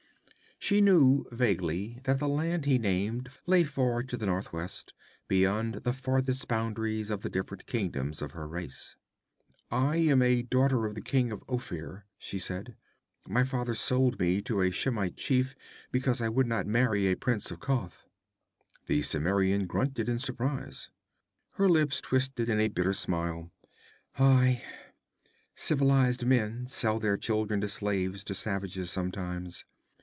She knew vaguely that the land he named lay far to the northwest, beyond the farthest boundaries of the different kingdoms of her race. 'I am a daughter of the King of Ophir,' she said. 'My father sold me to a Shemite chief, because I would not marry a prince of Koth.' The Cimmerian grunted in surprize. Her lips twisted in a bitter smile. 'Aye, civilized men sell their children as slaves to savages, sometimes.